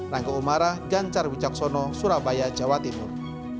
rangga umara ganjar wijaksono surabaya jawa timur